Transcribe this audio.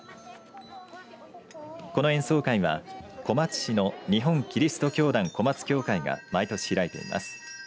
この演奏会は小松市の日本キリスト教団小松教会が毎年開いています。